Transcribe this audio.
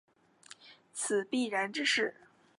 此必然之势。